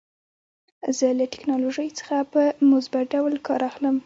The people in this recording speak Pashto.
زه له ټکنالوژۍ څخه په مثبت ډول کار اخلم.